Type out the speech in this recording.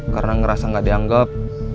karena ngerasa gak dianggap